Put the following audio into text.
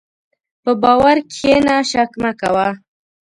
په باور کښېنه، شک مه کوه.